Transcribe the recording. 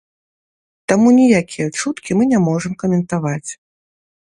Таму ніякія чуткі мы не можам каментаваць.